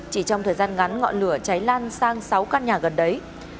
chỉ trong thời gian ngắn ngọn lửa cháy lan sang sáu căn nhà gần đấy